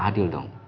ya adil dong